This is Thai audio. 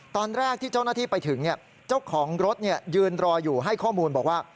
ตอนแรกที่เจ้าหน้าที่ไปถึงเจ้าของรถยืนรออยู่ให้ข้อมูลบอกว่า